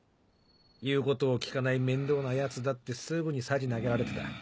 言うことを聞かない面倒な奴だってすぐにさじ投げられてた。